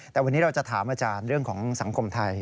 แต่วันนี้เราจะถามอาจารย์เรื่องของสังคมไทย